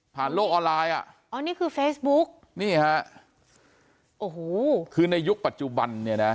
โลกออนไลน์อ่ะอ๋อนี่คือเฟซบุ๊กนี่ฮะโอ้โหคือในยุคปัจจุบันเนี่ยนะ